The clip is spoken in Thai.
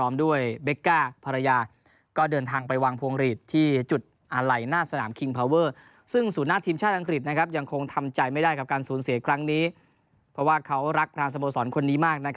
มันเป็นสิ่งที่มันเป็นสิ่งที่มีความสำคัญ